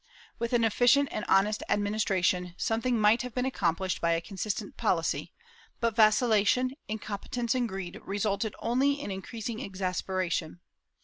With an efficient and honest administration, something might have been accomplished by a consistent policy, but vacilla tion, incompetence and greed resulted only in increasing exas peration.